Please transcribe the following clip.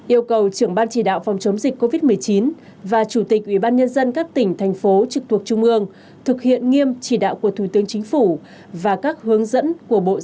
yêu cầu trưởng ban chỉ đạo phòng chống dịch covid một mươi chín và chủ tịch ủy ban nhân dân các tỉnh thành phố trực thuộc trung ương thực hiện nghiêm chỉ đạo của thủ tướng chính phủ và các hướng dẫn của bộ giao thông vận tải bộ y tế